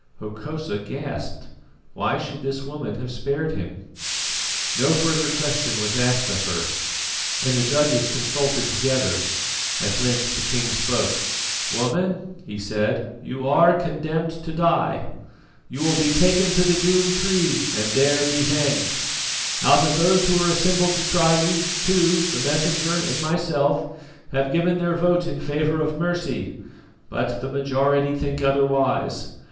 Hokosa gasped. Why should this woman have spared him? No further question was asked of her, and the judges consulted together. At length the king spoke. "Woman," he said, "you are condemned to die. You will be taken to the Doom Tree, and there be hanged. Out of those who are assembled to try you, two, the Messenger and myself, have given their vote in favour of mercy, but the majority think otherwise.